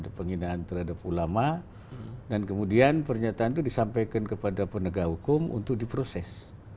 ada penghinaan terhadap ulama dan kemudian pernyataan itu disampaikan kepada penegak hukum untuk diproses